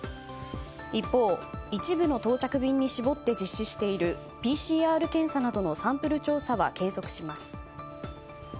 一方、一部の到着便に絞って実施しているＰＣＲ検査などのサンプル調査は継続します。